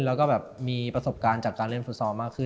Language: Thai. แล้วก็แบบมีประสบการณ์จากการเล่นฟุตซอลมากขึ้น